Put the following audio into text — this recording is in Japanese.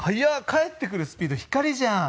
帰ってくるスピード光じゃん。